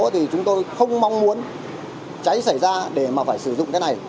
thì chúng tôi không mong muốn cháy xảy ra để mà phải sử dụng cái này